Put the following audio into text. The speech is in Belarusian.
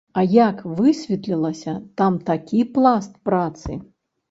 А як высветлілася, там такі пласт працы.